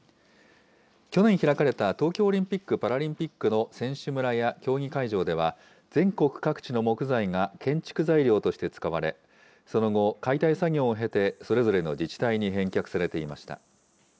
去年開かれた東京オリンピック・パラリンピックの選手村や競技会場では、全国各地の木材が建築材料として使われ、その後、解体作業を経て、それぞれの自治体に返却されていました。